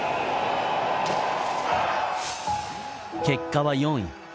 結果は４位。